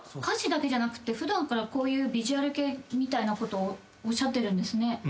歌詞だけじゃなくって普段からこういうヴィジュアル系みたいなことをおっしゃってるんですね。